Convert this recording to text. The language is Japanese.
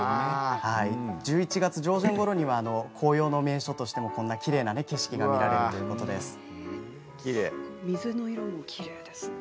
１１月上旬ごろには紅葉の名所としてこんなきれいな景色を水の色もきれいですね。